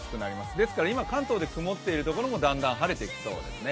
ですから、関東で今、曇っているところもだんだん晴れてきそうですね。